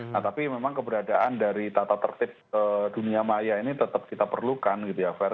nah tapi memang keberadaan dari tata tertib dunia maya ini tetap kita perlukan gitu ya